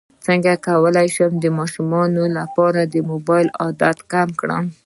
څنګه کولی شم د ماشومانو د موبایل عادت کم کړم